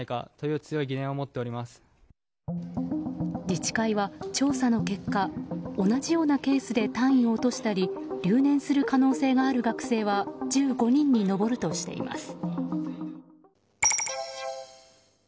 自治会は調査の結果同じようなケースで単位を落としたり留年する可能性がある学生は１５人に上るとしています。